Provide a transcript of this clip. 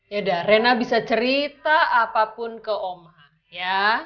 yaudah rena bisa cerita apapun ke oman ya